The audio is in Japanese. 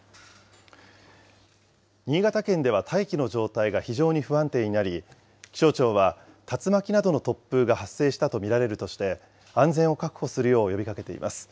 新潟県では大気の状態が非常に不安定になり、気象庁は、竜巻などの突風が発生したと見られるとして、安全を確保するよう呼びかけています。